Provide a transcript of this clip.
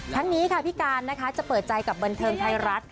ทั้งนี้ค่ะพี่การจะเปิดใจกับบันเทิงไทยรัฐ